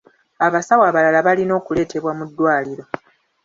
Abasawo abalala balina okuleetebwa mu ddwaliro.